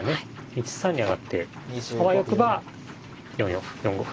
１三に上がってあわよくば４四歩４五歩。